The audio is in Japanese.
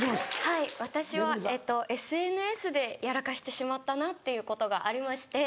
はい私はＳＮＳでやらかしてしまったなっていうことがありまして。